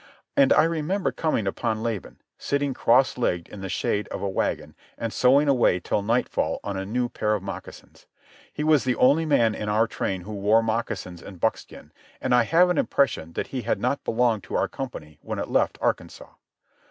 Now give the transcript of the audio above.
And I remember coming upon Laban, sitting cross legged in the shade of a wagon and sewing away till nightfall on a new pair of moccasins. He was the only man in our train who wore moccasins and buckskin, and I have an impression that he had not belonged to our company when it left Arkansas.